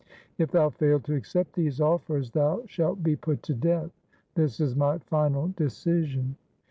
If thou fail to accept these offers, thou shalt be put to death. This is my final decision.'